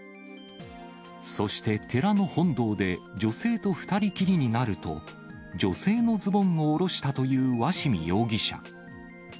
そして寺の本堂で女性と２人きりになると、女性のズボンを下ろしたという鷲見容疑者。